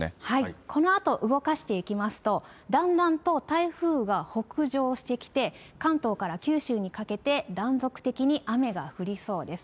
このあと動かしていきますと、だんだんと台風が北上してきて、関東から九州にかけて断続的に雨が降りそうです。